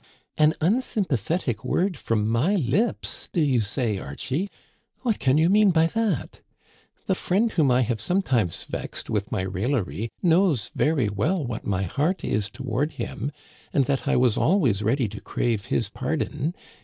" An unsympathetic word from my lips, do you say, Archie? What can you mean by that? The friend whom I have sometimes vexed with my raillery knows very well what my heart is toward him, and that I was always ready to crave his pardon.